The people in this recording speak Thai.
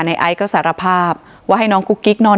ไอซ์ก็สารภาพว่าให้น้องกุ๊กกิ๊กนอน